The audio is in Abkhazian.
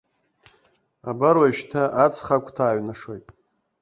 Абар уажәшьҭа аҵх агәҭа ааиҩнашоит.